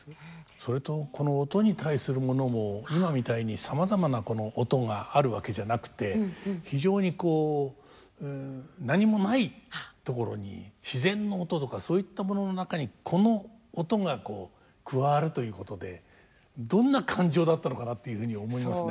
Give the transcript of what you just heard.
それとこの音に対するものも今みたいにさまざまなこの音があるわけじゃなくて非常にこう何もないところに自然の音とかそういったものの中にこの音が加わるということでどんな感情だったのかなっていうふうに思いますね。